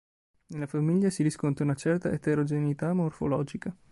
Nella famiglia si riscontra una certa eterogeneità morfologica.